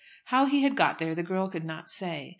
How he had got there the girl could not say.